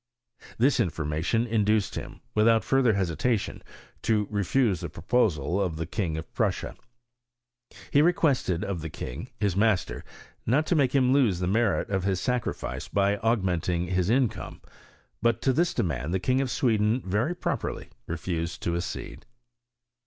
This information induced him, without further hesitation, to refuse the pro posals of the King of Prussia. He requested of the king, his master, not to make him lose the merit of mSTOKT OF CHEXISTBT. hia sacrifice by ftugmenting his income ; but to this demand the King of Sweden very properly refused to accede.